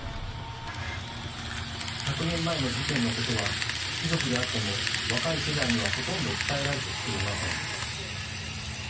１００年前の事件のことは遺族であっても若い世代にはほとんど伝えられてきていません。